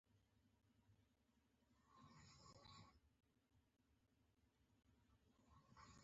ډېره خوشاله وه.